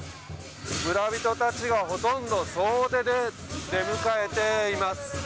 村人たちがほとんど総出で出迎えています。